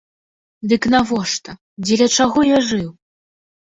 Дык навошта, дзеля чаго я жыў?